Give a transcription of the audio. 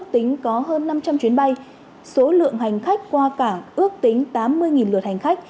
trong chuyến bay số lượng hành khách qua cảng ước tính tám mươi lượt hành khách